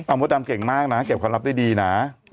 มดดำเก่งมากนะเก็บความลับได้ดีนะ